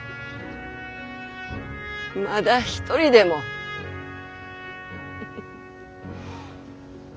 まだ一人でもフフフ。